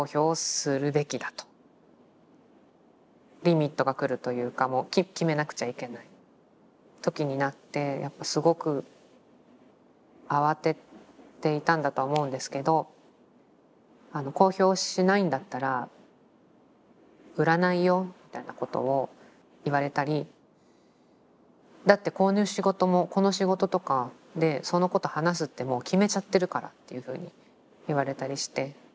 リミットがくるというかもう決めなくちゃいけない時になってやっぱすごく慌てていたんだとは思うんですけど「公表しないんだったら売らないよ」みたいなことを言われたり「だってこの仕事とかでそのこと話すって決めちゃってるから」っていうふうに言われたりして。